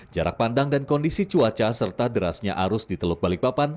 jarak pandang dan kondisi cuaca serta derasnya arus di teluk balikpapan